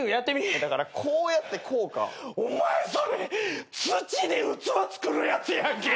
だからこうやってこうか。お前それ土でうつわ作るやつやんけ！